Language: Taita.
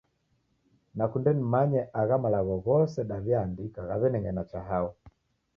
Nakunde nimanye agha malagho ghose daw'iaandika ghaw'ineng'ena cha hao?